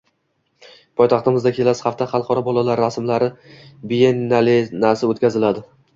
Poytaxtimizda kelasi hafta Xalqaro bolalar rasmlari biyennalesi o‘tkaziladi